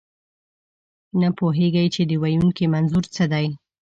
نه پوهېږئ، چې د ویونکي منظور څه دی.